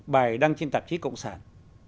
bài đăng trên tạp chí cộng sản